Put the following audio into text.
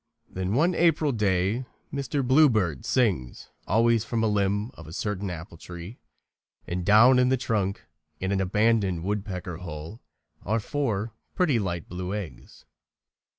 Then one April day Mr. Bluebird sings always from a limb of a certain apple tree, and down in the trunk, in an abandoned woodpecker's hole, are four pretty light blue eggs.